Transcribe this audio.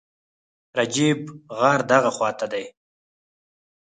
رجیب، غار دغه خواته دی.